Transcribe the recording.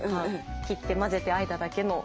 切って混ぜてあえただけの。